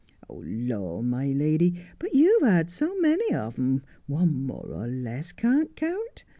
' Lor, my lady, but you've had so many of 'em, one more or less can't count.